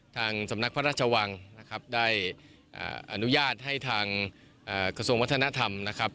ทางสำนักพระราชวังนะครับได้อนุญาตให้ทางกระทรวงวัฒนธรรมนะครับ